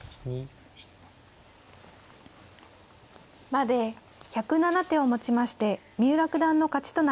まで１０７手をもちまして三浦九段の勝ちとなりました。